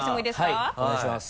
はいお願いします。